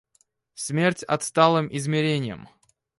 Смерть отсталым измереньям!